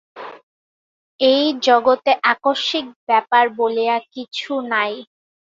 এই জগতে আকস্মিক ব্যাপার বলিয়া কিছু নাই।